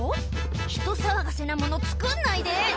人騒がせなもの作んないで！